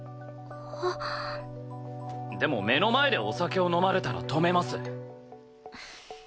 でも目の前でお酒を飲まれたら止めます。